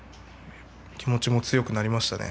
気持ちも強くなりましたね